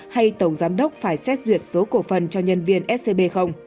hay tổng giám đốc phải xét duyệt số cổ phần cho nhân viên scb